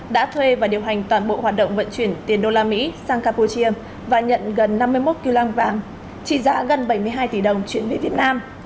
đã thuê và điều hành toàn bộ hoạt động vận chuyển tiền đô la mỹ sang campuchia và nhận gần năm mươi một kg vàng trị giá gần bảy mươi hai tỷ đồng chuyển về việt nam